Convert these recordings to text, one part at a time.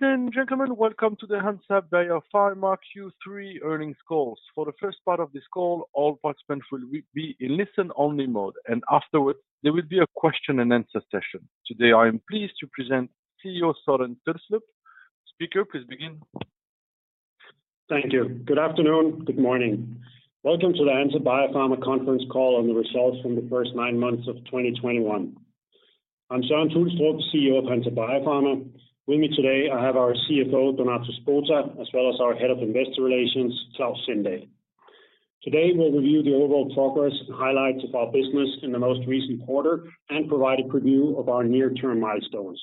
Ladies and gentlemen, welcome to the Hansa Biopharma Q3 earnings call. For the first part of this call, all participants will be in listen-only mode, and afterwards, there will be a question and answer session. Today, I am pleased to present CEO Søren Tulstrup. Speaker, please begin. Thank you. Good afternoon, good morning. Welcome to the Hansa Biopharma conference call on the results from the first nine months of 2021. I'm Søren Tulstrup, CEO of Hansa Biopharma. With me today, I have our CFO, Donato Spota, as well as our Head of Investor Relations, Klaus Sindahl. Today, we'll review the overall progress and highlights of our business in the most recent quarter and provide a preview of our near-term milestones.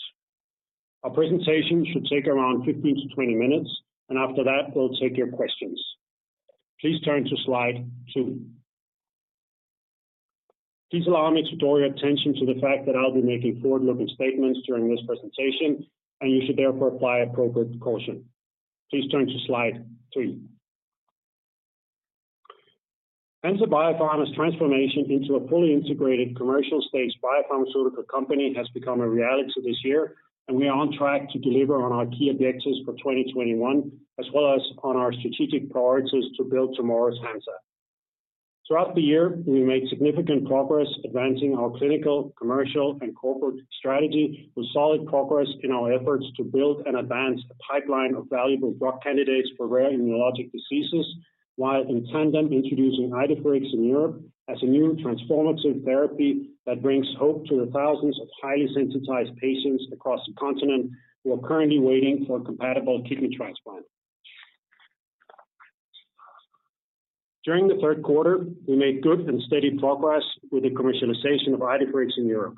Our presentation should take around 15-20 minutes, and after that, we'll take your questions. Please turn to Slide two. Please allow me to draw your attention to the fact that I'll be making forward-looking statements during this presentation, and you should therefore apply appropriate caution. Please turn to Slide three. Hansa Biopharma's transformation into a fully integrated commercial-stage biopharmaceutical company has become a reality this year, and we are on track to deliver on our key objectives for 2021, as well as on our strategic priorities to build tomorrow's Hansa. Throughout the year, we made significant progress advancing our clinical, commercial, and corporate strategy with solid progress in our efforts to build and advance a pipeline of valuable drug candidates for rare immunologic diseases, while in tandem introducing IDEFIRIX in Europe as a new transformative therapy that brings hope to the thousands of highly sensitized patients across the continent who are currently waiting for a compatible kidney transplant. During the third quarter, we made good and steady progress with the commercialization of IDEFIRIX in Europe.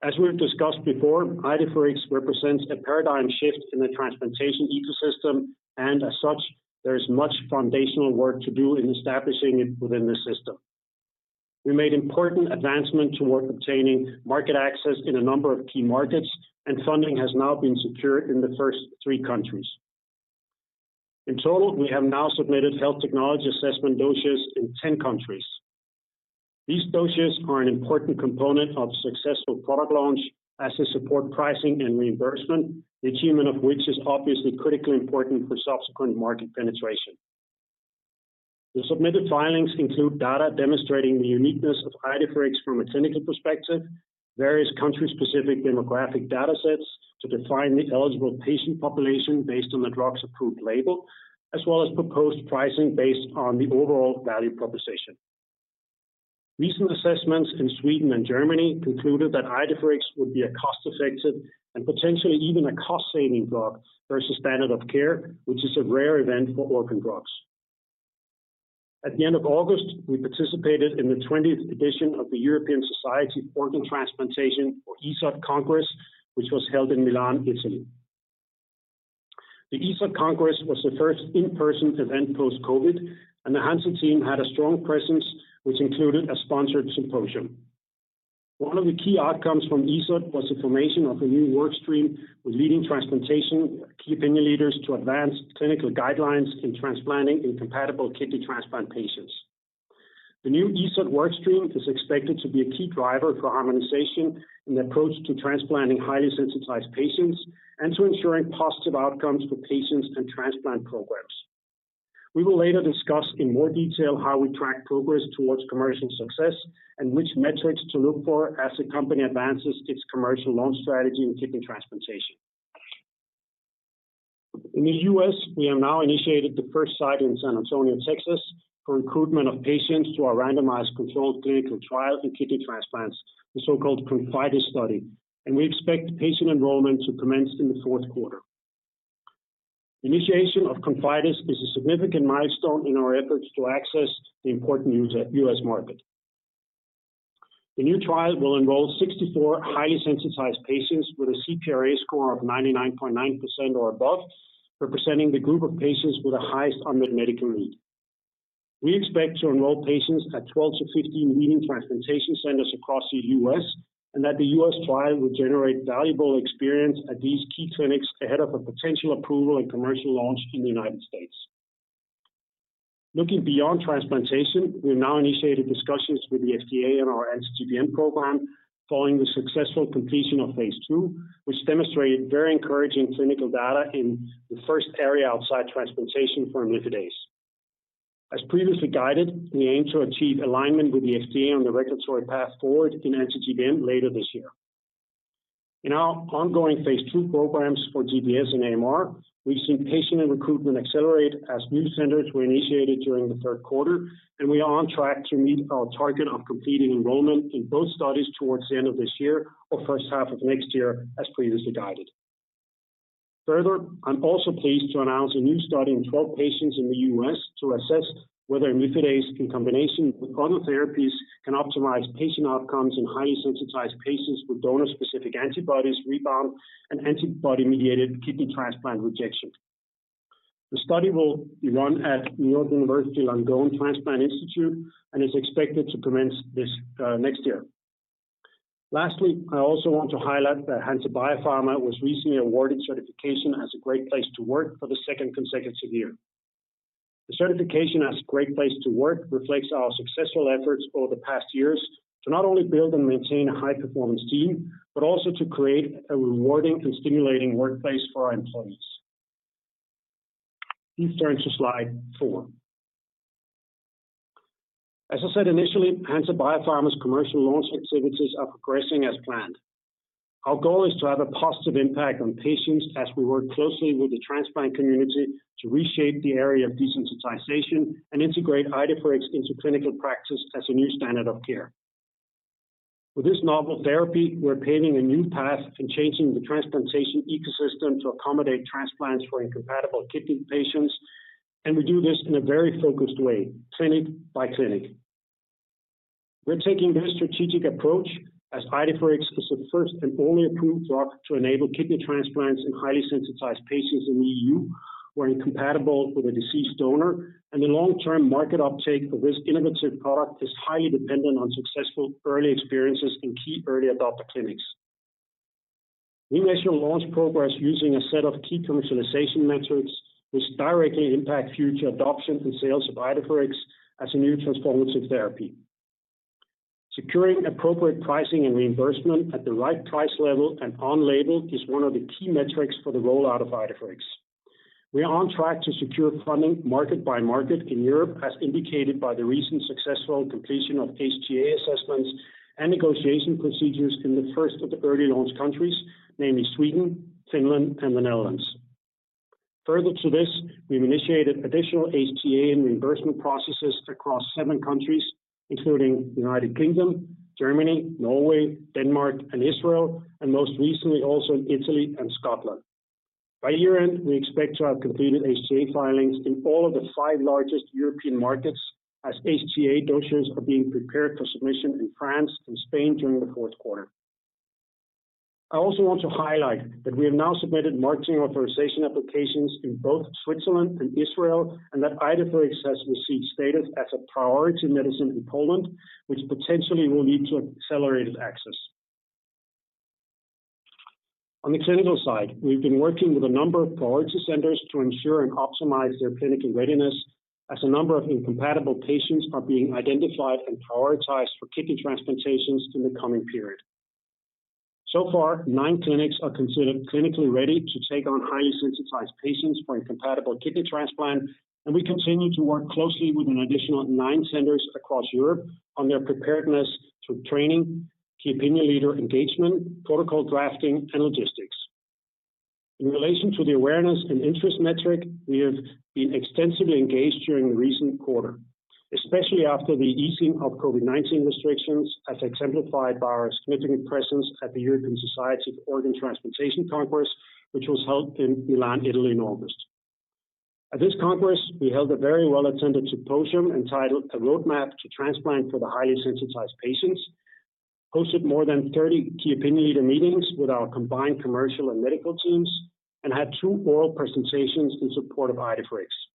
As we have discussed before, IDEFIRIX represents a paradigm shift in the transplantation ecosystem. As such, there is much foundational work to do in establishing it within the system. We made important advancement toward obtaining market access in a number of key markets. Funding has now been secured in the first three countries. In total, we have now submitted health technology assessment dossiers in 10 countries. These dossiers are an important component of a successful product launch as they support pricing and reimbursement, the achievement of which is obviously critically important for subsequent market penetration. The submitted filings include data demonstrating the uniqueness of IDEFIRIX from a clinical perspective, various country-specific demographic data sets to define the eligible patient population based on the drug's approved label, as well as proposed pricing based on the overall value proposition. Recent assessments in Sweden and Germany concluded that IDEFIRIX would be a cost-effective and potentially even a cost-saving drug versus standard of care, which is a rare event for organ drugs. At the end of August, we participated in the 20th edition of the European Society for Organ Transplantation, or ESOT Congress, which was held in Milan, Italy. The ESOT Congress was the first in-person event post-COVID, and the Hansa team had a strong presence, which included a sponsored symposium. One of the key outcomes from ESOT was the formation of a new workstream with leading transplantation key opinion leaders to advance clinical guidelines in transplanting incompatible kidney transplant patients. The new ESOT workstream is expected to be a key driver for harmonization in the approach to transplanting highly sensitized patients and to ensuring positive outcomes for patients and transplant programs. We will later discuss in more detail how we track progress towards commercial success and which metrics to look for as the company advances its commercial launch strategy in kidney transplantation. In the U.S., we have now initiated the first site in San Antonio, Texas, for recruitment of patients to our randomized controlled clinical trial in kidney transplants, the so-called ConfIdeS study, and we expect patient enrollment to commence in the fourth quarter. Initiation of ConfIdeS is a significant milestone in our efforts to access the important U.S. market. The new trial will enroll 64 highly sensitized patients with a CPRA score of 99.9% or above, representing the group of patients with the highest unmet medical need. We expect to enroll patients at 12-15 leading transplantation centers across the U.S. and that the U.S. trial will generate valuable experience at these key clinics ahead of a potential approval and commercial launch in the United States. Looking beyond transplantation, we have now initiated discussions with the FDA on our anti-GBM program following the successful completion of phase II, which demonstrated very encouraging clinical data in the first area outside transplantation for imlifidase. As previously guided, we aim to achieve alignment with the FDA on the regulatory path forward in anti-GBM later this year. In our ongoing phase II programs for GBS and AMR, we've seen patient recruitment accelerate as new centers were initiated during the third quarter, and we are on track to meet our target of completing enrollment in both studies towards the end of this year or first half of next year as previously guided. Further, I'm also pleased to announce a new study in 12 patients in the U.S. to assess whether imlifidase in combination with other therapies can optimize patient outcomes in highly sensitized patients with Donor-Specific Antibodies rebound and antibody-mediated kidney transplant rejection. The study will be run at NYU Langone Transplant Institute and is expected to commence next year. Lastly, I also want to highlight that Hansa Biopharma was recently awarded certification as a great place to work for the second consecutive year. The certification as a great place to work reflects our successful efforts over the past years to not only build and maintain a high-performance team, but also to create a rewarding and stimulating workplace for our employees. Please turn to Slide four. As I said initially, Hansa Biopharma's commercial launch activities are progressing as planned. Our goal is to have a positive impact on patients as we work closely with the transplant community to reshape the area of desensitization and integrate IDEFIRIX into clinical practice as a new standard of care. With this novel therapy, we're paving a new path in changing the transplantation ecosystem to accommodate transplants for incompatible kidney patients, and we do this in a very focused way, clinic by clinic. We're taking this strategic approach as IDEFIRIX is the first and only approved drug to enable kidney transplants in highly sensitized patients in the E.U. who are incompatible with a deceased donor, and the long-term market uptake for this innovative product is highly dependent on successful early experiences in key early adopter clinics. We measure launch progress using a set of key commercialization metrics which directly impact future adoption and sales of IDEFIRIX as a new transformative therapy. Securing appropriate pricing and reimbursement at the right price level and on-label is one of the key metrics for the rollout of IDEFIRIX. We are on track to secure funding market by market in Europe, as indicated by the recent successful completion of HTA assessments and negotiation procedures in the first of the early launch countries, namely Sweden, Finland, and the Netherlands. Further to this, we've initiated additional HTA and reimbursement processes across seven countries, including U.K., Germany, Norway, Denmark, and Israel, and most recently, also in Italy and Scotland. By year-end, we expect to have completed HTA filings in all of the five largest European markets as HTA dossiers are being prepared for submission in France and Spain during the fourth quarter. I also want to highlight that we have now submitted marketing authorization applications in both Switzerland and Israel, and that IDEFIRIX has received status as a priority medicine in Poland, which potentially will lead to accelerated access. On the clinical side, we've been working with a number of priority centers to ensure and optimize their clinical readiness as a number of incompatible patients are being identified and prioritized for kidney transplantations in the coming period. So far, nine clinics are considered clinically ready to take on highly sensitized patients for incompatible kidney transplant, and we continue to work closely with an additional 9 centers across Europe on their preparedness through training, key opinion leader engagement, protocol drafting, and logistics. In relation to the awareness and interest metric, we have been extensively engaged during the recent quarter, especially after the easing of COVID-19 restrictions, as exemplified by our significant presence at the European Society for Organ Transplantation congress, which was held in Milan, Italy in August. At this congress, we held a very well-attended symposium entitled "A Roadmap to Transplant for the Highly Sensitized Patients," hosted more than 30 key opinion leader meetings with our combined commercial and medical teams, and had 2 oral presentations in support of IDEFIRIX. We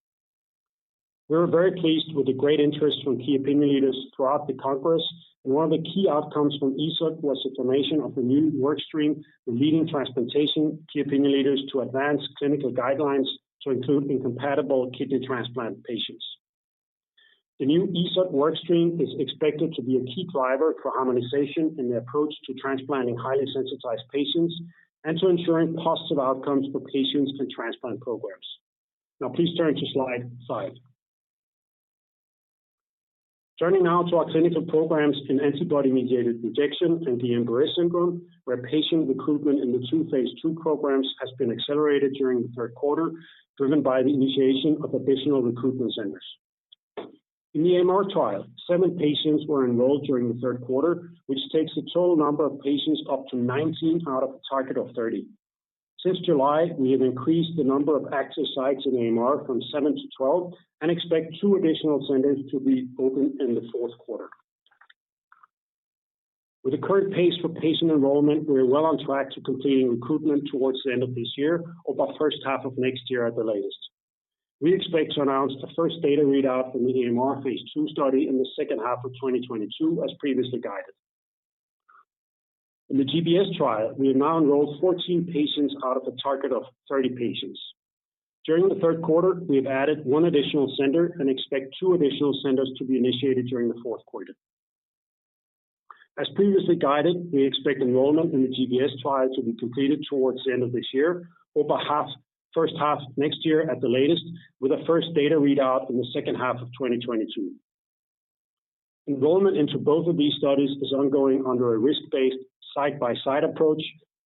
were very pleased with the great interest from key opinion leaders throughout the congress, and one of the key outcomes from ESOT was the formation of a new work stream for leading transplantation key opinion leaders to advance clinical guidelines to include incompatible kidney transplant patients. The new ESOT work stream is expected to be a key driver for harmonization in the approach to transplanting highly sensitized patients and to ensuring positive outcomes for patients and transplant programs. Now, please turn to slide five. Turning now to our clinical programs in antibody-mediated rejection and Guillain-Barré syndrome, where patient recruitment in the two phase II programs has been accelerated during the third quarter, driven by the initiation of additional recruitment centers. In the AMR trial, seven patients were enrolled during the third quarter, which takes the total number of patients up to 19 out of a target of 30. Since July, we have increased the number of active sites in AMR from 7-12 and expect two additional centers to be opened in the fourth quarter. With the current pace for patient enrollment, we are well on track to completing recruitment towards the end of this year or by the first half of next year at the latest. We expect to announce the first data readout from the AMR phase II study in the second half of 2022, as previously guided. In the GBS trial, we have now enrolled 14 patients out of a target of 30 patients. During the third quarter, we have added one additional center and expect two additional centers to be initiated during the fourth quarter. As previously guided, we expect enrollment in the GBS trial to be completed towards the end of this year or by first half of next year at the latest, with the first data readout in the second half of 2022. Enrollment into both of these studies is ongoing under a risk-based side-by-side approach,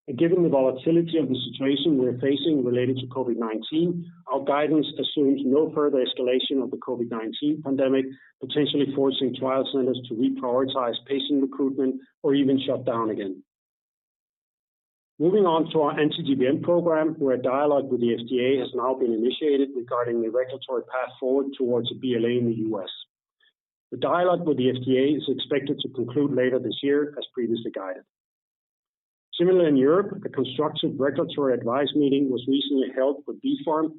and given the volatility of the situation we are facing related to COVID-19, our guidance assumes no further escalation of the COVID-19 pandemic, potentially forcing trial centers to reprioritize patient recruitment or even shut down again. Moving on to our anti-GBM program, where dialogue with the FDA has now been initiated regarding the regulatory path forward towards a BLA in the U.S. The dialogue with the FDA is expected to conclude later this year, as previously guided. Similar in Europe, a constructive regulatory advice meeting was recently held with BfArM.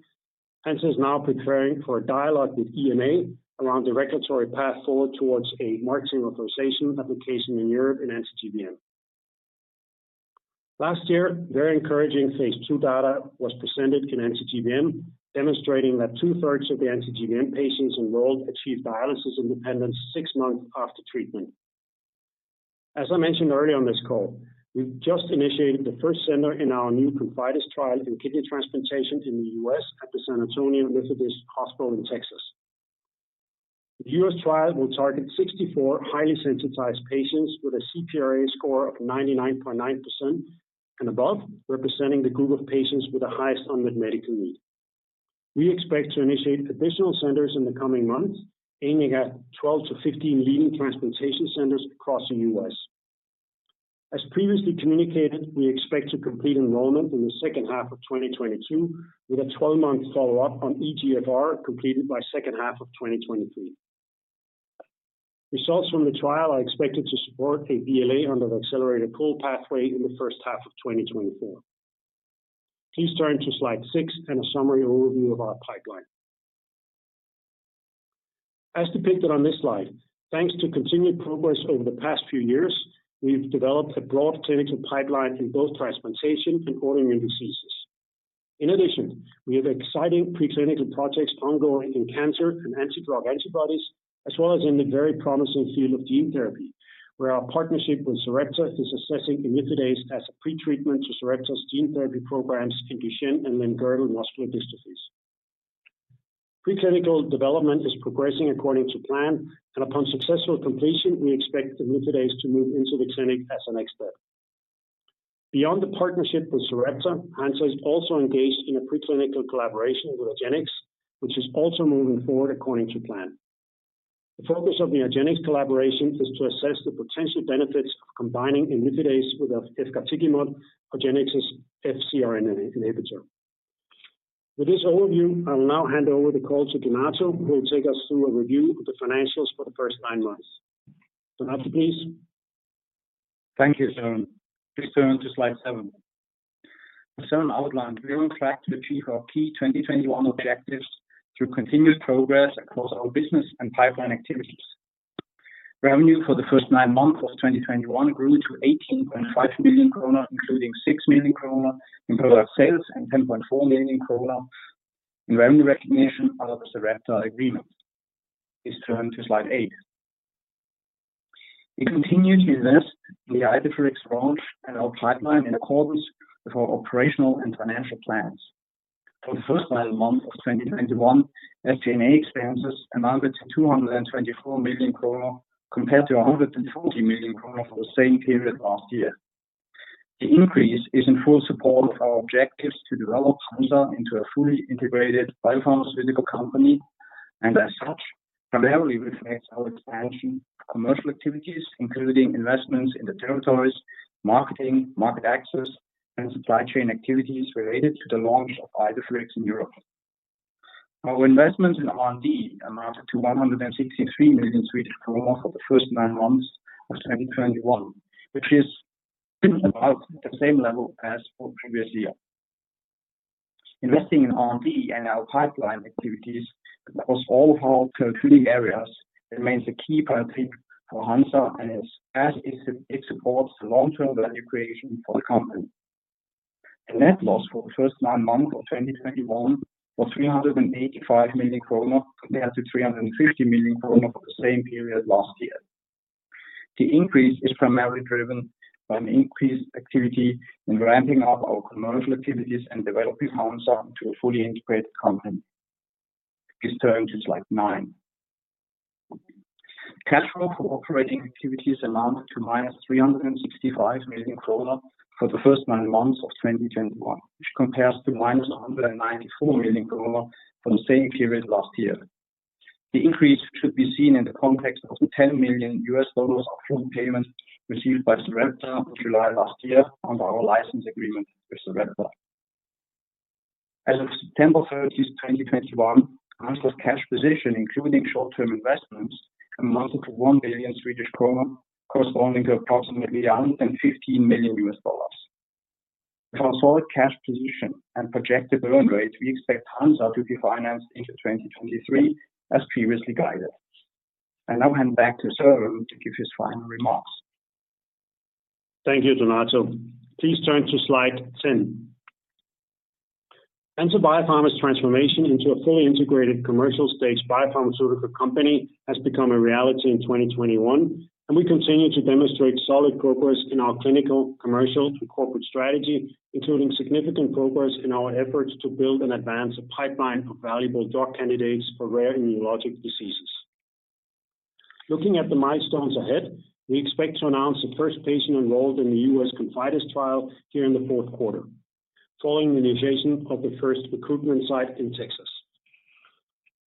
Hansa is now preparing for a dialogue with EMA around the regulatory path forward towards a marketing authorization application in Europe in anti-GBM. Last year, very encouraging phase II data was presented in anti-GBM, demonstrating that two-thirds of the anti-GBM patients enrolled achieved dialysis independence 6 months after treatment. As I mentioned earlier in this call, we've just initiated the first center in our new ConfIdeS trial in kidney transplantation in the U.S. at the San Antonio Methodist Hospital in Texas. The U.S. trial will target 64 highly sensitized patients with a CPRA score of 99.9% and above, representing the group of patients with the highest unmet medical need. We expect to initiate additional centers in the coming months, aiming at 12 to 15 leading transplantation centers across the U.S. As previously communicated, we expect to complete enrollment in the second half of 2022, with a 12-month follow-up on eGFR completed by second half of 2023. Results from the trial are expected to support a BLA under the accelerated approval pathway in the first half of 2024. Please turn to slide 6, and a summary overview of our pipeline. As depicted on this slide, thanks to continued progress over the past few years, we've developed a broad clinical pipeline in both transplantation and autoimmune diseases. In addition, we have exciting preclinical projects ongoing in cancer and anti-drug antibodies, as well as in the very promising field of gene therapy, where our partnership with Sarepta is assessing imlifidase as a pretreatment to Sarepta's gene therapy programs in Duchenne and limb-girdle muscular dystrophies. Preclinical development is progressing according to plan. Upon successful completion, we expect the imlifidase to move into the clinic as a next step. Beyond the partnership with Sarepta, Hansa is also engaged in a preclinical collaboration with argenx, which is also moving forward according to plan. The focus of the argenx collaborations is to assess the potential benefits of combining imlifidase with efgartigimod, argenx's FcRn inhibitor. With this overview, I will now hand over the call to Donato, who will take us through a review of the financials for the first nine months. Donato, please. Thank you, Søren. Please turn to Slide seven. As Søren outlined, we are on track to achieve our key 2021 objectives through continued progress across our business and pipeline activities. Revenue for the first nine months of 2021 grew to 18.5 million kronor, including 6 million kronor in product sales and 10.4 million kronor in revenue recognition under the Sarepta agreement. Please turn to Slide eight. We continue to invest in the IDEFIRIX launch and our pipeline in accordance with our operational and financial plans. For the first nine months of 2021, SG&A expenses amounted to 224 million kronor compared to 140 million kronor for the same period last year. The increase is in full support of our objectives to develop Hansa into a fully integrated biopharmaceutical company. As such, primarily reflects our expansion of commercial activities, including investments in the territories, marketing, market access, and supply chain activities related to the launch of IDEFIRIX in Europe. Our investments in R&D amounted to 163 million Swedish kronor for the first 9 months of 2021, which is about the same level as for the previous year. Investing in R&D and our pipeline activities across all of our therapeutic areas remains a key priority for Hansa, as it supports the long-term value creation for the company. The net loss for the first 9 months of 2021 was 385 million kronor compared to 350 million kronor for the same period last year. The increase is primarily driven by an increased activity in ramping up our commercial activities and developing Hansa into a fully integrated company. Please turn to Slide nine. Cash flow for operating activities amounted to minus 365 million krona for the first nine months of 2021, which compares to minus 194 million krona for the same period last year. The increase should be seen in the context of the $10 million upfront payment received by Sarepta in July last year under our license agreement with Sarepta. As of September 30, 2021, Hansa's cash position, including short-term investments, amounted to 1 billion Swedish kronor, corresponding to approximately $115 million. With our solid cash position and projected burn rates, we expect Hansa to be financed into 2023 as previously guided. I now hand back to Søren to give his final remarks. Thank you, Donato. Please turn to Slide 10. Hansa Biopharma's transformation into a fully integrated commercial-stage biopharmaceutical company has become a reality in 2021, and we continue to demonstrate solid progress in our clinical, commercial, and corporate strategy, including significant progress in our efforts to build and advance a pipeline of valuable drug candidates for rare immunologic diseases. Looking at the milestones ahead, we expect to announce the first patient enrolled in the U.S. ConfIdeS trial here in the fourth quarter, following the initiation of the first recruitment site in Texas.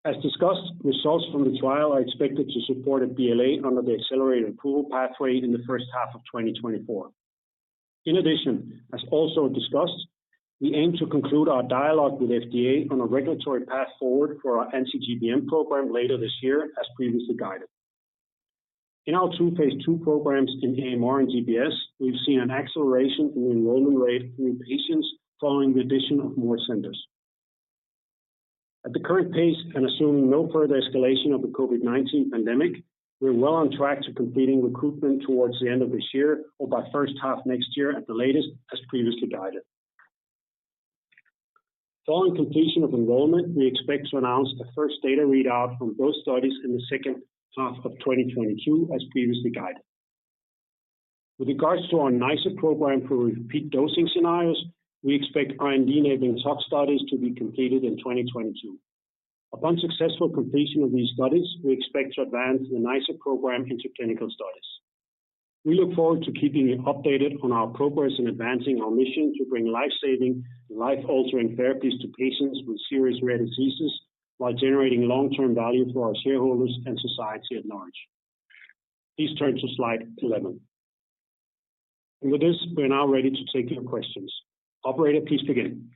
As discussed, results from the trial are expected to support a BLA under the accelerated approval pathway in the first half of 2024. In addition, as also discussed, we aim to conclude our dialogue with FDA on a regulatory path forward for our anti-GBM program later this year, as previously guided. In our two phase II programs in AMR and GBS, we've seen an acceleration in the enrollment rate of new patients following the addition of more centers. At the current pace, and assuming no further escalation of the COVID-19 pandemic, we are well on track to completing recruitment towards the end of this year or by first half next year at the latest, as previously guided. Following completion of enrollment, we expect to announce the first data readout from both studies in the second half of 2022, as previously guided. With regards to our NiceR program for repeat dosing scenarios, we expect IND-enabling tox studies to be completed in 2022. Upon successful completion of these studies, we expect to advance the NiceR program into clinical studies. We look forward to keeping you updated on our progress in advancing our mission to bring life-saving and life-altering therapies to patients with serious rare diseases while generating long-term value for our shareholders and society at large. Please turn to Slide 11. With this, we are now ready to take your questions. Operator, please begin.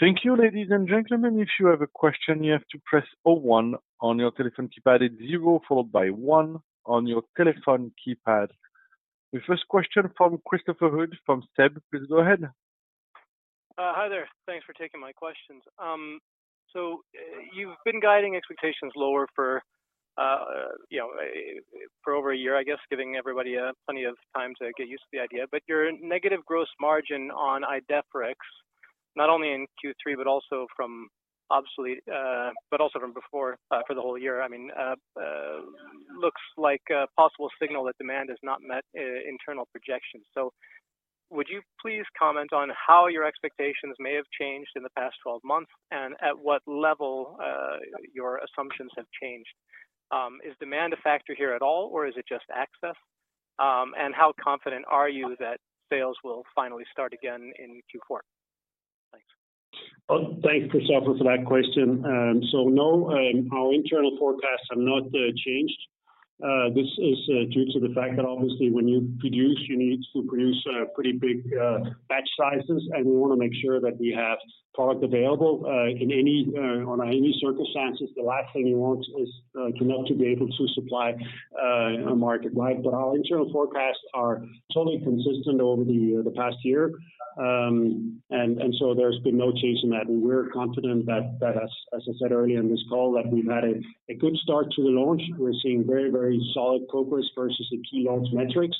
Thank you, ladies and gentlemen. If you have a question, you have to press O one on your telephone keypad. It's zero followed by one on your telephone keypad. The first question from Christopher Uhde from SEB. Please go ahead. Hi there. Thanks for taking my questions. You've been guiding expectations lower for over a year, I guess, giving everybody plenty of time to get used to the idea. Your negative gross margin on IDEFIRIX, not only in Q3, but also from before, for the whole year, looks like a possible signal that demand has not met internal projections. Would you please comment on how your expectations may have changed in the past 12 months and at what level your assumptions have changed? Is demand a factor here at all or is it just access? How confident are you that sales will finally start again in Q4? Thanks. Well, thanks, Christopher, for that question. No, our internal forecasts have not changed. This is due to the fact that obviously when you produce, you need to produce pretty big batch sizes, and we want to make sure that we have product available. In any circumstances, the last thing you want is to not to be able to supply a market, right? Our internal forecasts are totally consistent over the past year. There's been no change in that. We're confident that, as I said earlier in this call, that we've had a good start to the launch. We're seeing very solid progress versus the key launch metrics.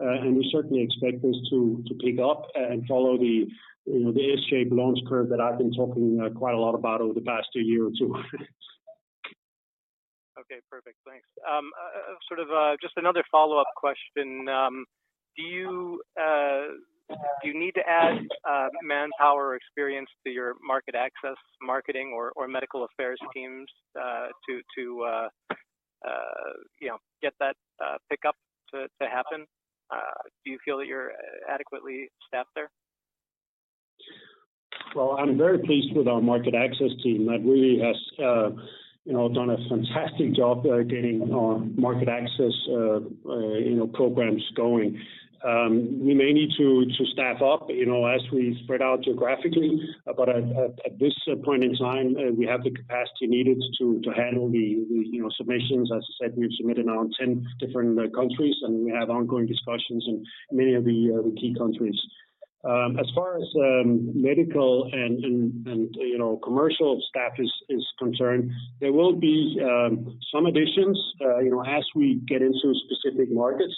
We certainly expect this to pick up and follow the S-shaped launch curve that I've been talking quite a lot about over the past year or two. Okay, perfect. Thanks. Sort of just another follow-up question. Do you need to add manpower or experience to your market access marketing or medical affairs teams to get that pickup to happen? Do you feel that you're adequately staffed there? Well, I'm very pleased with our market access team. That really has done a fantastic job getting our market access programs going. We may need to staff up as we spread out geographically. At this point in time, we have the capacity needed to handle the submissions. As I said, we've submitted now in 10 different countries, and we have ongoing discussions in many of the key countries. As far as medical and commercial staff is concerned, there will be some additions as we get into specific markets.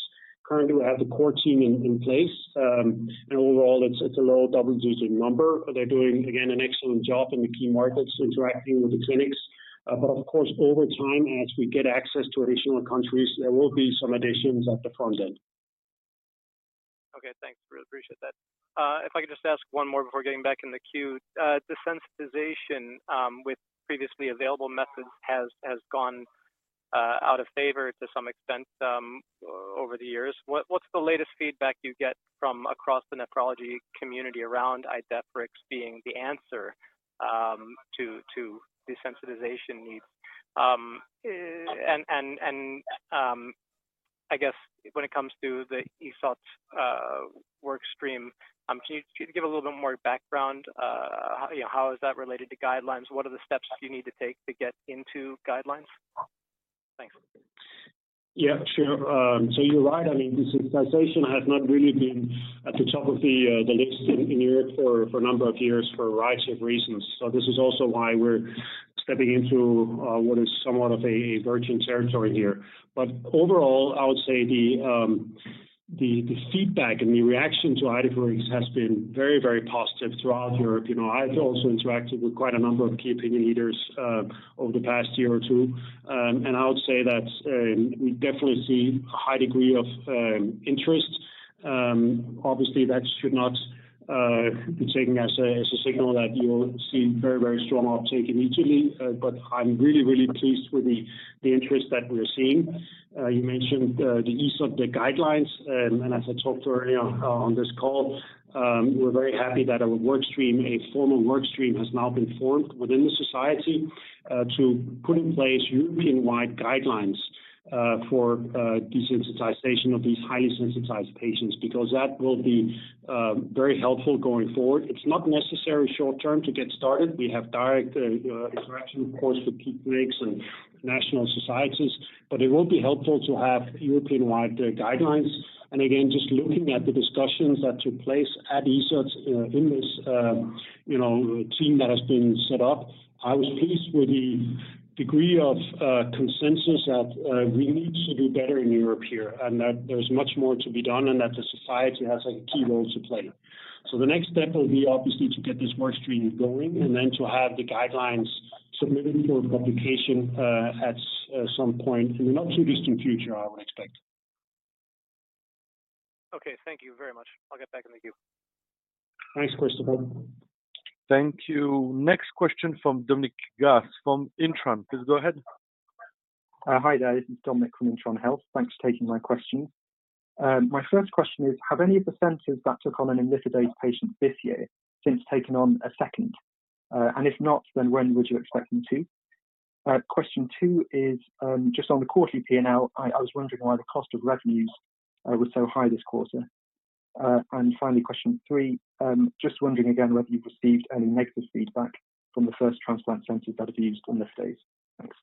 Currently, we have the core team in place. Overall, it's a low double-digit number. They're doing, again, an excellent job in the key markets interacting with the clinics. Of course, over time, as we get access to additional countries, there will be some additions at the front end. Okay, thanks. Really appreciate that. If I could just ask one more before getting back in the queue. Desensitization with previously available methods has gone out of favor to some extent over the years. What's the latest feedback you get from across the nephrology community around IDEFIRIX being the answer to desensitization needs? I guess when it comes to the ESOT workstream, can you give a little bit more background? How is that related to guidelines? What are the steps you need to take to get into guidelines? Thanks. Yeah, sure. You're right. I mean, desensitization has not really been at the top of the list in Europe for a number of years for a variety of reasons. This is also why we're stepping into what is somewhat of a virgin territory here. Overall, I would say the feedback and the reaction to IDEFIRIX has been very positive throughout Europe. I've also interacted with quite a number of key opinion leaders over the past year or two. I would say that we definitely see a high degree of interest. Obviously, that should not be taken as a signal that you'll see very strong uptake immediately. I'm really pleased with the interest that we're seeing. You mentioned the ESOT, the guidelines, and as I talked earlier on this call, we're very happy that a workstream, a formal workstream, has now been formed within the society to put in place European-wide guidelines for desensitization of these highly sensitized patients, because that will be very helpful going forward. It's not necessary short-term to get started. We have direct interaction, of course, with key clinics and national societies, but it will be helpful to have European-wide guidelines. Again, just looking at the discussions that took place at ESOT in this team that has been set up, I was pleased with the degree of consensus that we need to do better in Europe here, and that there's much more to be done, and that the society has a key role to play. The next step will be, obviously, to get this workstream going, and then to have the guidelines submitted for publication at some point in the not-too-distant future, I would expect. Okay. Thank you very much. I'll get back in the queue. Thanks, Christopher. Thank you. Next question from Dominic Gass from Intron. Please go ahead. Hi there. This is Dominic Gass from Intron Health. Thanks for taking my question. My first question is, have any of the centers that took on an imlifidase patient this year since taken on a second? If not, then when would you expect them to? Question two is, just on the quarterly P&L, I was wondering why the cost of revenues was so high this quarter. Finally, question three, just wondering again whether you've received any negative feedback from the first transplant centers that have used imlifidase. Thanks.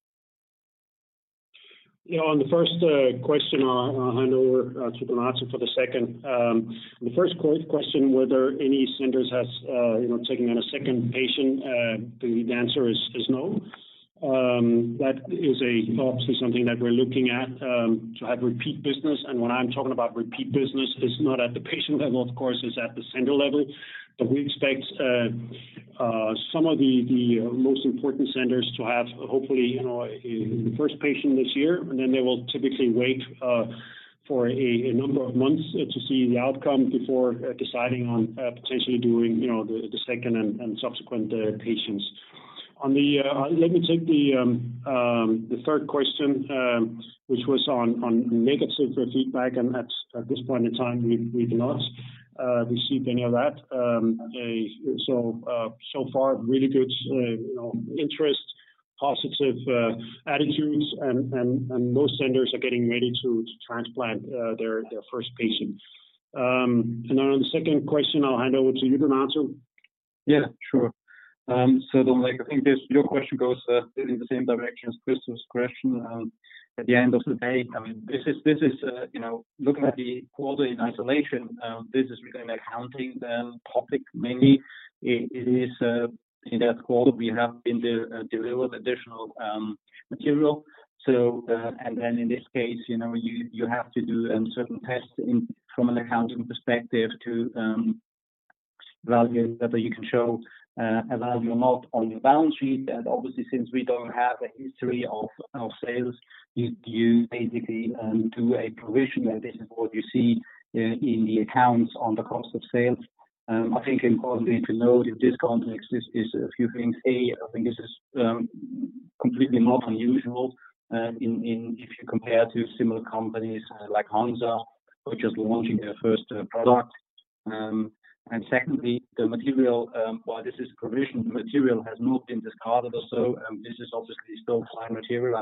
On the first question, I'll hand over to Donato for the second. The first question whether any centers has taken on a second patient, the answer is no. That is obviously something that we're looking at to have repeat business. When I'm talking about repeat business, it's not at the patient level, of course, it's at the center level. We expect some of the most important centers to have, hopefully, a first patient this year. They will typically wait for a number of months to see the outcome before deciding on potentially doing the second and subsequent patients. Let me take the third question, which was on negative feedback. At this point in time, we've not received any of that. So far, really good interest, positive attitudes, and most centers are getting ready to transplant their first patient. On the second question, I'll hand over to you to answer. Yeah, sure. Dominic, I think your question goes in the same direction as Christopher's question. At the end of the day, looking at the quarter in isolation, this is really an accounting topic, mainly. In that quarter, we have delivered additional material. In this case, you have to do certain tests from an accounting perspective to evaluate whether you can show a value or not on your balance sheet. Obviously, since we don't have a history of our sales, you basically do a provision, and this is what you see in the accounts on the cost of sales. I think importantly to note in this context is a few things. A, I think this is completely not unusual if you compare to similar companies like Hansa, who are just launching their first product. Secondly, the material, while this is provisioned, the material has not been discarded or so. This is obviously still fine material,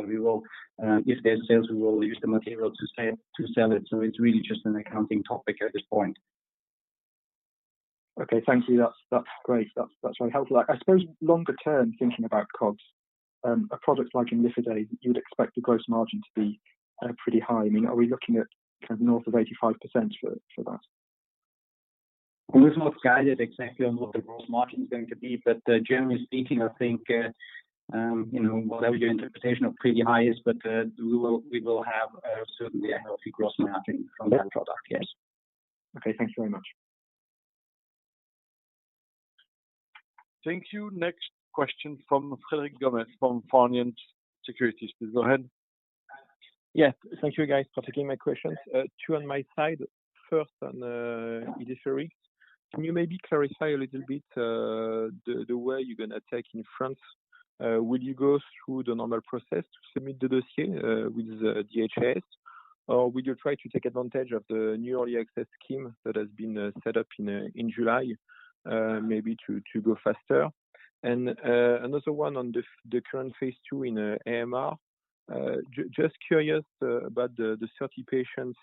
and if there's sales, we will use the material to sell it. It's really just an accounting topic at this point. Okay. Thank you. That's great. That's really helpful. I suppose longer-term thinking about COGS, a product like imlifidase, you would expect the gross margin to be pretty high. Are we looking at north of 85% for that? We're not guided exactly on what the gross margin is going to be, but generally speaking, I think whatever your interpretation of pretty high is, but we will have certainly a healthy gross margin from that product, yes. Okay, thanks very much. Thank you. Next question from Frederic Gomez from Pharmium Securities. Please go ahead. Yes. Thank you, guys, for taking my questions. Two on my side. First, on IDEFIRIX, can you maybe clarify a little bit the way you're going to attack in France? Will you go through the normal process to submit the dossier with the HTA, or will you try to take advantage of the new early access scheme that has been set up in July maybe to go faster? Another one on the current phase II in AMR. Just curious about the 30 patients.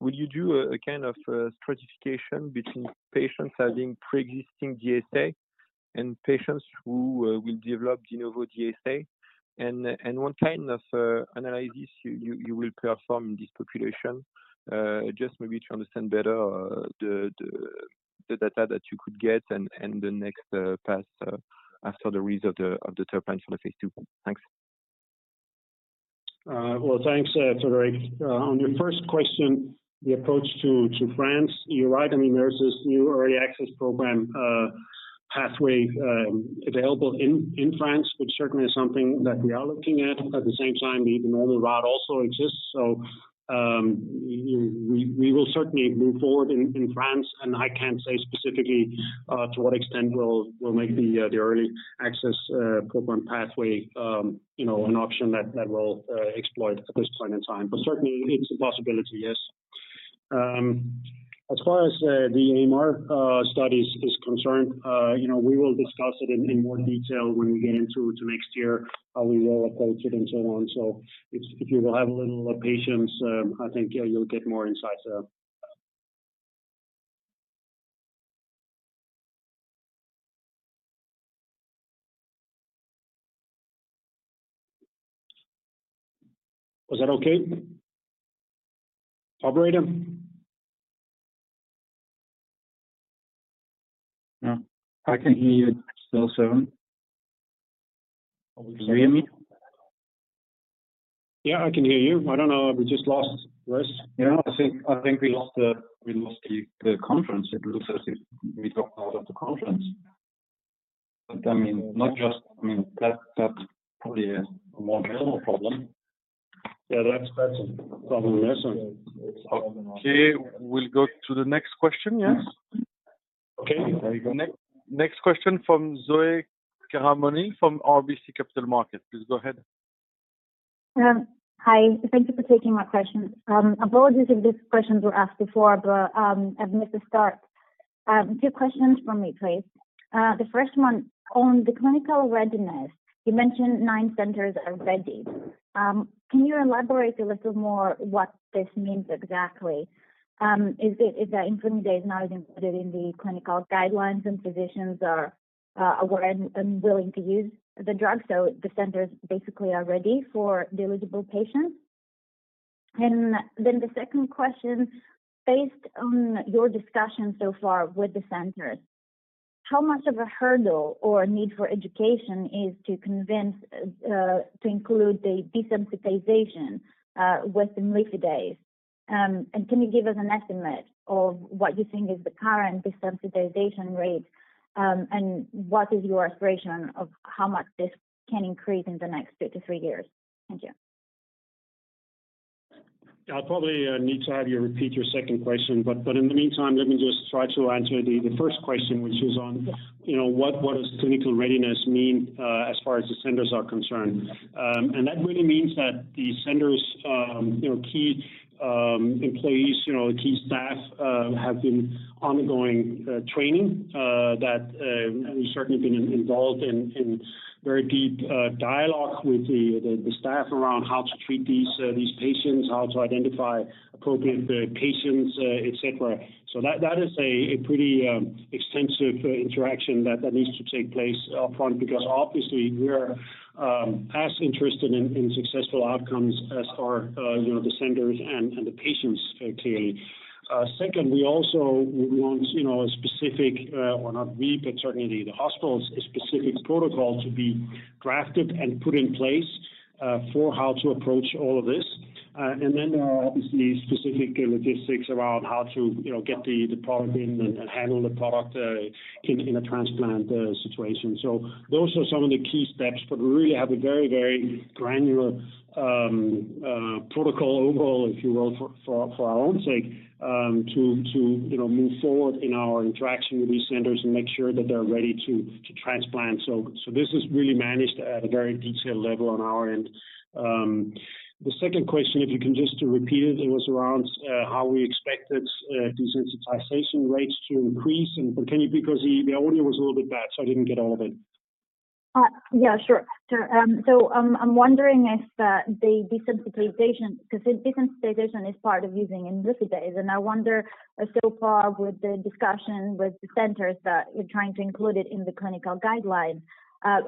Will you do a kind of stratification between patients having preexisting DSA and patients who will develop de novo DSA? What kind of analysis you will perform in this population? Just maybe to understand better the data that you could get and the next path after the result of the top line for the phase II. Thanks. Well, thanks, Frederic. On your first question, the approach to France, you're right. There's this new early access program pathway available in France, which certainly is something that we are looking at. The normal route also exists, we will certainly move forward in France. I can't say specifically to what extent we'll make the early access program pathway an option that we'll exploit at this point in time. Certainly, it's a possibility, yes. As far as the AMR study is concerned, we will discuss it in more detail when we get into next year, how we will approach it and so on. If you will have a little patience, I think you'll get more insights there. Was that okay? Operator? I can hear you still, Søren. Can you hear me? Yeah, I can hear you. I don't know. We just lost Russ. Yeah, I think we lost the conference. It looks as if we dropped out of the conference. That's probably a more general problem. Yeah, that's a problem. Okay. We'll go to the next question, yes? Okay. There you go. Next question from Zoe Karamanoli from RBC Capital Markets. Please go ahead. Hi. Thank you for taking my questions. Apologies if these questions were asked before, but I've missed the start. Two questions from me, please. The first one, on the clinical readiness, you mentioned nine centers are ready. Can you elaborate a little more what this means exactly? Is that imlifidase today is not included in the clinical guidelines and physicians are aware and willing to use the drug, so the centers basically are ready for the eligible patients? The second question, based on your discussion so far with the centers, how much of a hurdle or need for education is to convince to include the desensitization with imlifidase? Can you give us an estimate of what you think is the current desensitization rate? What is your aspiration of how much this can increase in the next 2-3 years? Thank you. I'll probably need to have you repeat your second question, but in the meantime, let me just try to answer the first question, which is on what does clinical readiness mean as far as the centers are concerned. That really means that the centers' key employees, key staff, have been ongoing training, and we've certainly been involved in very deep dialogue with the staff around how to treat these patients, how to identify appropriate patients, et cetera. That is a pretty extensive interaction that needs to take place upfront, because obviously we're as interested in successful outcomes as are the centers and the patients clearly. Second, we also would want a specific, or not we, but certainly the hospitals, a specific protocol to be drafted and put in place for how to approach all of this. There are obviously specific logistics around how to get the product in and handle the product in a transplant situation. Those are some of the key steps, but we really have a very granular protocol overall, if you will, for our own sake, to move forward in our interaction with these centers and make sure that they're ready to transplant. This is really managed at a very detailed level on our end. The second question, if you can just repeat it was around how we expected desensitization rates to increase. Can you, because the audio was a little bit bad, so I didn't get all of it. Yeah, sure. I'm wondering if the desensitization, because desensitization is part of using imlifidase. I wonder so far with the discussion with the centers that you're trying to include it in the clinical guidelines,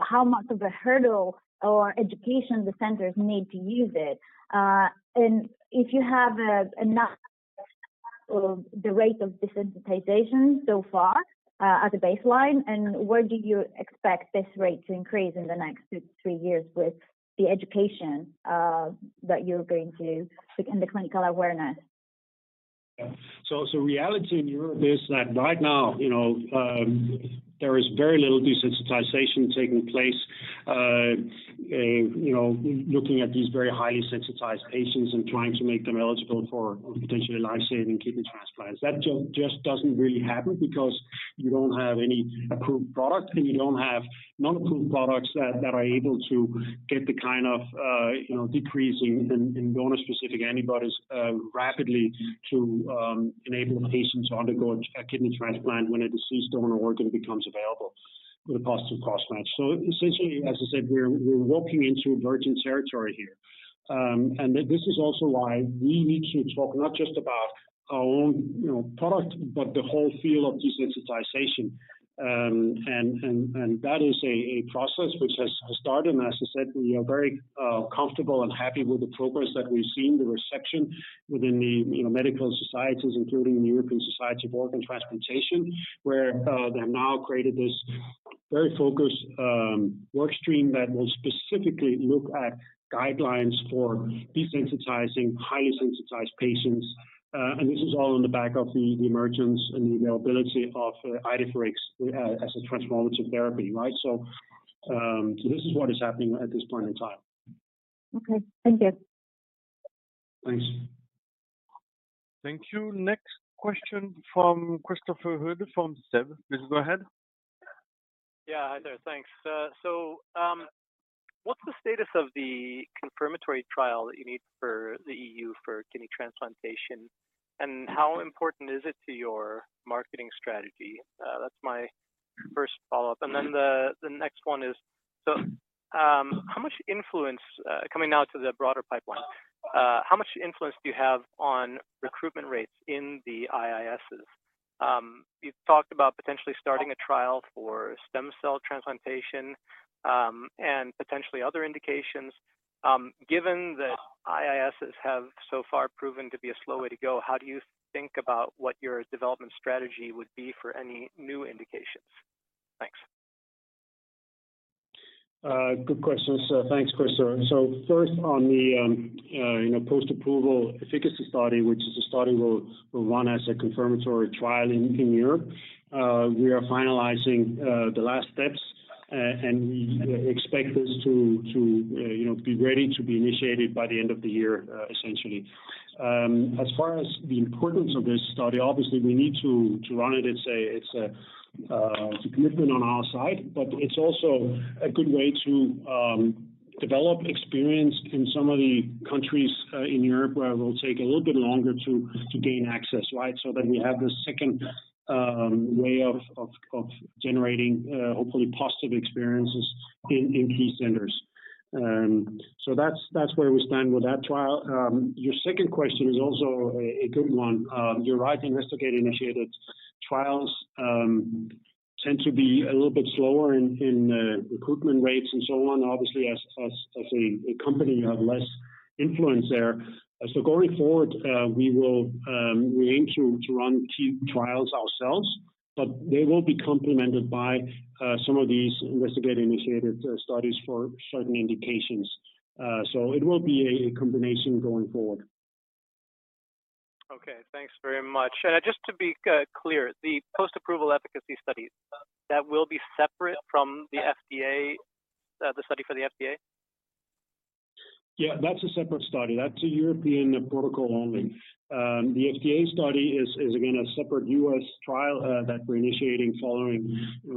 how much of a hurdle or education the centers need to use it. If you have enough of the rate of desensitization so far as a baseline. Where do you expect this rate to increase in the next 2-3 years with the education that you're going to begin the clinical awareness? Reality in Europe is that right now there is very little desensitization taking place looking at these very highly sensitized patients and trying to make them eligible for potentially life-saving kidney transplants. That just doesn't really happen because you don't have any one approved product, and you don't have non-approved products that are able to get the kind of decrease in Donor-Specific Antibodies rapidly to enable a patient to undergo a kidney transplant when a deceased donor organ becomes available with a positive cross-match. Essentially, as I said, we're walking into virgin territory here. This is also why we need to talk not just about our own product, but the whole field of desensitization. That is a process which has started, as I said, we are very comfortable and happy with the progress that we've seen, the reception within the medical societies, including the European Society for Organ Transplantation, where they have now created this very focused work stream that will specifically look at guidelines for desensitizing highly sensitized patients. This is all on the back of the emergence and the availability of IDEFIRIX as a transformative therapy. This is what is happening at this point in time. Okay. Thank you. Thanks. Thank you. Next question from Christopher Uhde from SEB. Please go ahead. Hi there. Thanks. What's the status of the confirmatory trial that you need for the E.U. for kidney transplantation, and how important is it to your marketing strategy? That's my first follow-up. The next one is, how much influence, coming now to the broader pipeline, how much influence do you have on recruitment rates in the IISs? You've talked about potentially starting a trial for stem cell transplantation, and potentially other indications. Given that IISs have so far proven to be a slow way to go, how do you think about what your development strategy would be for any new indications? Thanks. Good questions. Thanks, Christopher. First on the post-approval efficacy study, which is a study we'll run as a confirmatory trial in Europe. We are finalizing the last steps, and we expect this to be ready to be initiated by the end of the year, essentially. As far as the importance of this study, obviously, we need to run it. It's a commitment on our side, but it's also a good way to develop experience in some of the countries in Europe where it will take a little bit longer to gain access, so that we have this second way of generating hopefully positive experiences in key centers. That's where we stand with that trial. Your second question is also a good one. You're right, investigator-initiated trials tend to be a little bit slower in recruitment rates and so on. Obviously, as a company, you have less influence there. Going forward, we aim to run key trials ourselves, but they will be complemented by some of these Investigator-Initiated Studies for certain indications. It will be a combination going forward. Okay. Thanks very much. Just to be clear, the post-approval efficacy study, that will be separate from the study for the FDA? That's a separate study. That's a European protocol only. The FDA study is, again, a separate U.S. trial that we're initiating following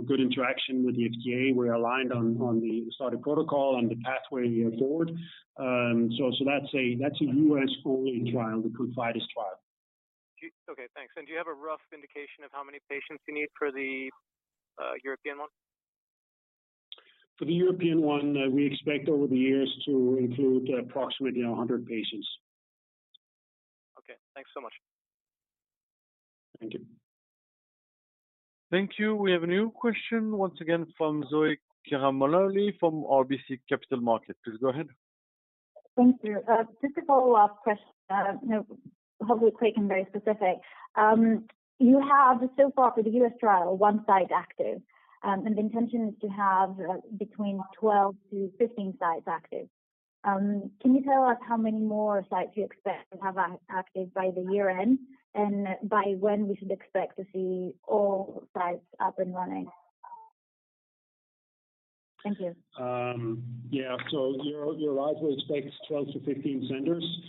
good interaction with the FDA. We're aligned on the study protocol and the pathway forward. That's a U.S.-only trial, the ConfIdeS trial. Okay, thanks. Do you have a rough indication of how many patients you need for the European one? For the European one, we expect over the years to include approximately 100 patients. Okay. Thanks so much. Thank you. Thank you. We have a new question once again from Zoe Karamanoli from RBC Capital Markets. Please go ahead. Thank you. Just a follow-up question, hopefully quick and very specific. You have so far for the U.S. trial, one site active, and the intention is to have between 12-15 sites active. Can you tell us how many more sites you expect to have active by the year-end, and by when we should expect to see all sites up and running? Thank you. Yeah. You're right, we expect 12-15 centers.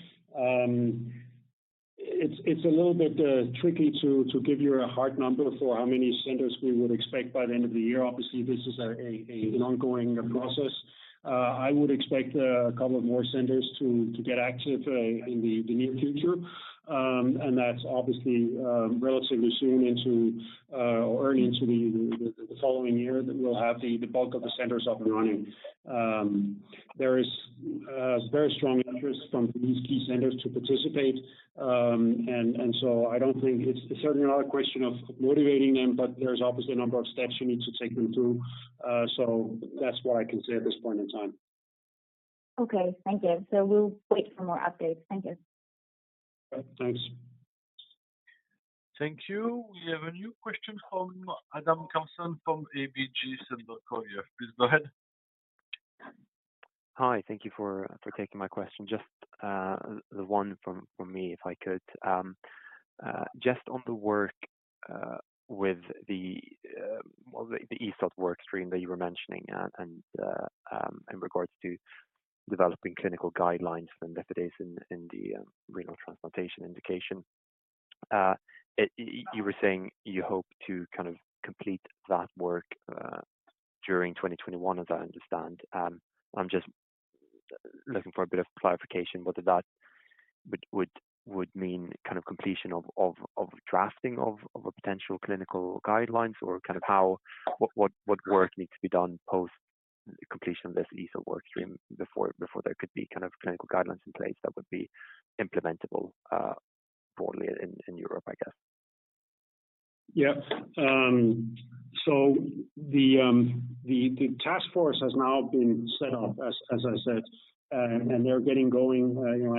It's a little bit tricky to give you a hard number for how many centers we would expect by the end of the year. Obviously, this is an ongoing process. I would expect a couple of more centers to get active in the near future. That's obviously relatively soon into or early into the following year that we'll have the bulk of the centers up and running. There is very strong interest from these key centers to participate. I don't think it's certainly not a question of motivating them, but there's obviously a number of steps you need to take them through. That's what I can say at this point in time. Okay. Thank you. We'll wait for more updates. Thank you. Okay, thanks. Thank you. We have a new question from Adam Karlsson from ABG Sundal Collier. Please go ahead. Hi. Thank you for taking my question. Just the one from me, if I could. Just on the work with the ESOT workstream that you were mentioning and in regards to developing clinical guidelines for imlifidase in the renal transplantation indication. You were saying you hope to kind of complete that work during 2021, as I understand. I'm just looking for a bit of clarification whether that would mean completion of drafting of potential clinical guidelines or kind of what work needs to be done post-completion of this ESOT workstream before there could be clinical guidelines in place that would be implementable broadly in Europe, I guess. Yeah. The task force has now been set up, as I said, and they're getting going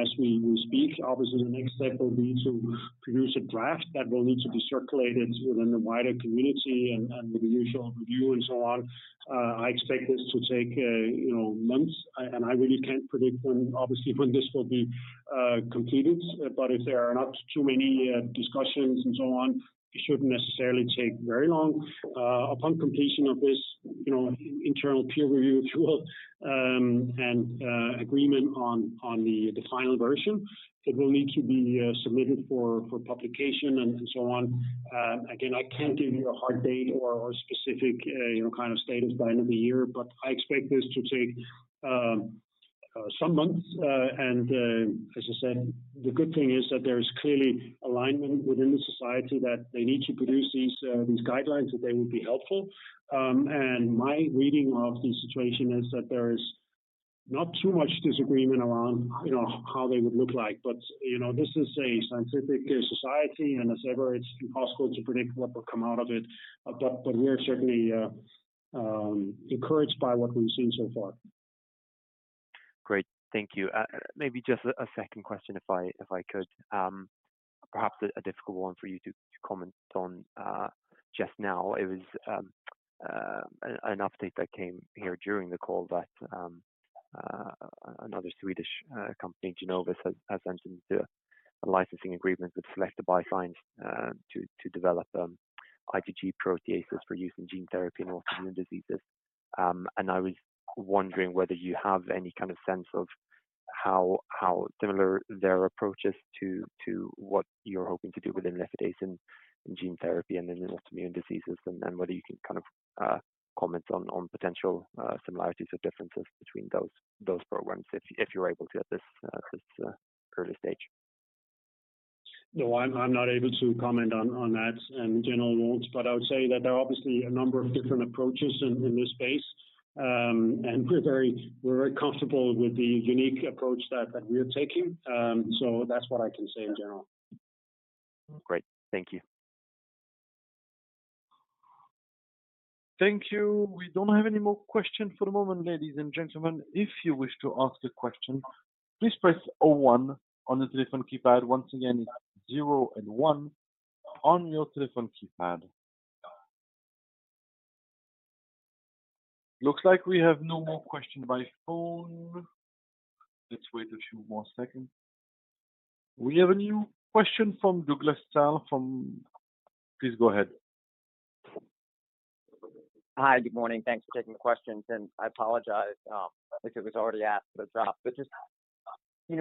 as we speak. Obviously, the next step will be to produce a draft that will need to be circulated within the wider community and with the usual review and so on. I expect this to take months, and I really can't predict when, obviously, this will be completed. If there are not too many discussions and so on, it shouldn't necessarily take very long. Upon completion of this internal peer review, if you will, and agreement on the final version, it will need to be submitted for publication and so on. Again, I can't give you a hard date or specific kind of status by end of the year, but I expect this to take some months. As I said, the good thing is that there is clearly alignment within the society that they need to produce these guidelines, that they would be helpful. My reading of the situation is that there is not too much disagreement around how they would look like. This is a scientific society, and as ever, it's impossible to predict what will come out of it. We are certainly encouraged by what we've seen so far. Great. Thank you. Maybe just a second question if I could. Perhaps a difficult one for you to comment on just now. It was an update that came here during the call that another Swedish company, Genovis, has entered into a licensing agreement with Selecta Biosciences to develop IgG proteases for use in gene therapy and autoimmune diseases. I was wondering whether you have any kind of sense of how similar their approach is to what you're hoping to do with imlifidase in gene therapy and in autoimmune diseases, and whether you can comment on potential similarities or differences between those programs, if you're able to at this early stage. No, I'm not able to comment on that in general. I would say that there are obviously a number of different approaches in this space. We're very comfortable with the unique approach that we're taking. That's what I can say in general. Great. Thank you. Thank you. We don't have any more questions for the moment, ladies and gentlemen. If you wish to ask a question, please press 01 on the telephone keypad. Once again, it's 0 and 1 on your telephone keypad. Looks like we have no more questions by phone. Let's wait a few more seconds. We have a new question from Douglas Tsao from Please go ahead. Hi, good morning. Thanks for taking the questions, and I apologize if it was already asked, but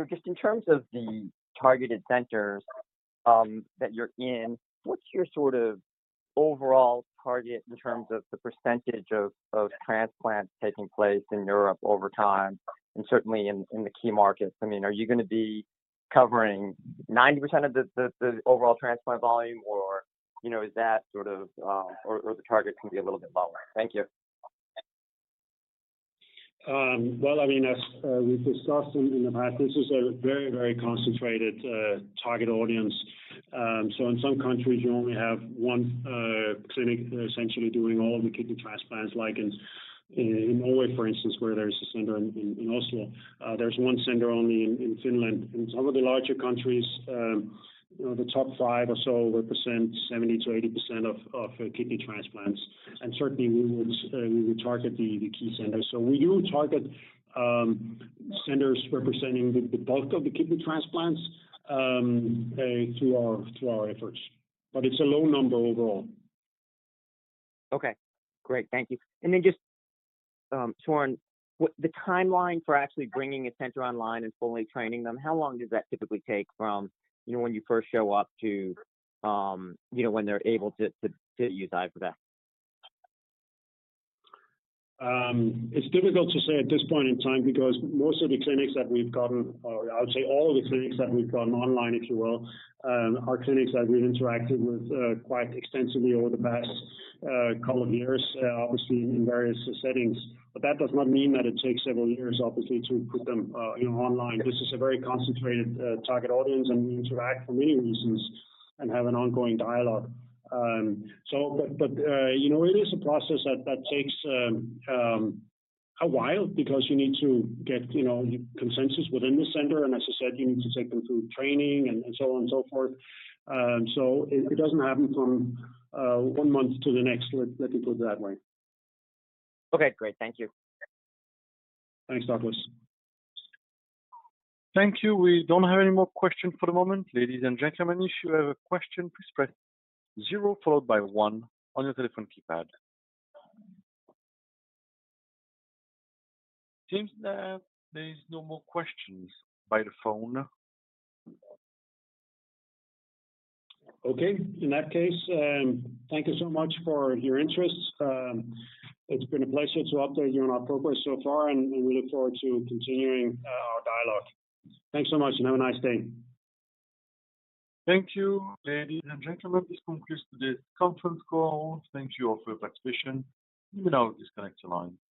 just in terms of the targeted centers that you're in, what's your sort of overall target in terms of the percentage of transplants taking place in Europe over time and certainly in the key markets? Are you going to be covering 90% of the overall transplant volume, or the target can be a little bit lower? Thank you. Well, as we've discussed in the past, this is a very concentrated target audience. In some countries, you only have one clinic essentially doing all of the kidney transplants, like in Norway, for instance, where there's a center in Oslo. There's 1 center only in Finland. In some of the larger countries, the top five or so represent 70%-80% of kidney transplants. Certainly, we would target the key centers. We do target centers representing the bulk of the kidney transplants through our efforts. It's a low number overall. Okay, great. Thank you. Just, Søren, the timeline for actually bringing a center online and fully training them, how long does that typically take from when you first show up to when they're able to use IDEFIRIX? It's difficult to say at this point in time because most of the clinics that we've gotten, or I would say all of the clinics that we've gotten online, if you will, are clinics that we've interacted with quite extensively over the past couple of years, obviously in various settings. That does not mean that it takes several years, obviously, to put them online. This is a very concentrated target audience, and we interact for many reasons and have an ongoing dialogue. It is a process that takes a while because you need to get consensus within the center. As I said, you need to take them through training and so on and so forth. It doesn't happen from one month to the next, let me put it that way. Okay, great. Thank you. Thanks, Douglas. Thank you. We don't have any more questions for the moment. Ladies and gentlemen, if you have a question, please press zero followed by one on your telephone keypad. Seems that there is no more questions by the phone. Okay. In that case, thank you so much for your interest. It has been a pleasure to update you on our progress so far, and we look forward to continuing our dialogue. Thanks so much and have a nice day. Thank you. Ladies and gentlemen, this concludes today's conference call. Thank you all for your participation. You may now disconnect your line.